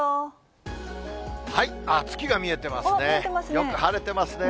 月が見えてますね。